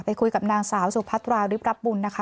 คุยกับนางสาวสุพัตราริบรับบุญนะคะ